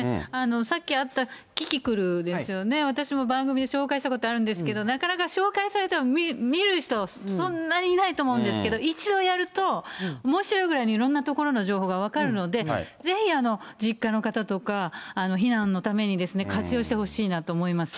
さっきあった、キキクルですよね、私も番組で紹介したことあるんですけれども、なかなか紹介されても見る人、そんなにいないと思うんですけど、一度やると、おもしろいぐらいにいろんな所の情報が分かるので、ぜひ実家の方とか、避難のために、活用してほしいなと思います。